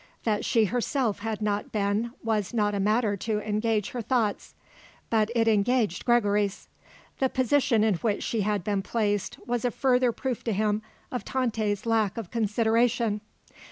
That she herself had not been was not a matter to engage her thoughts. But it engaged Gregory's. The position in which she had been placed was a further proof to him of Tante's lack of consideration.